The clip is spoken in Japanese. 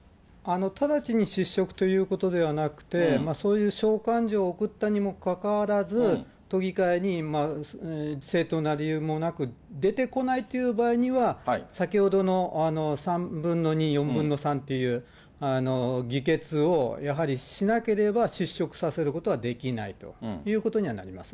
直ちに失職ということではなくて、そういう召喚状を送ったにもかかわらず、都議会に正当な理由もなく出てこないという場合には、先ほどの３分の２、４分の３っていう議決をやはりしなければ、失職させることはできないということにはなります。